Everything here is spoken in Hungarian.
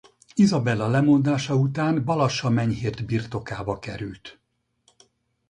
Izabella lemondása után Balassa Menyhért birtokába került.